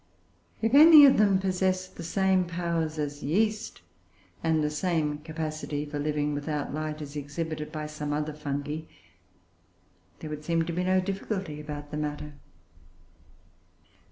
If any of them possess the same powers as yeast (and the same capacity for living without light is exhibited by some other fungi) there would seem to be no difficulty about the matter.